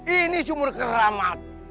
ini sumur keramat